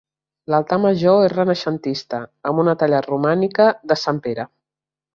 L'altar major és renaixentista, amb una talla romànica de sant Pere.